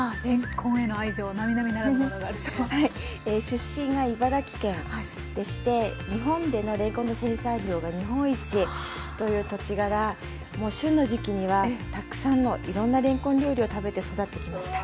出身が茨城県でして日本でのれんこんの生産量が日本一という土地柄もう旬の時期にはたくさんのいろんなれんこん料理を食べて育ってきました。